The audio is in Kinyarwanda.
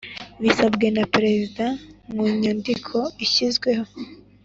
Bisabwe na Perezida mu nyandiko ishyizweho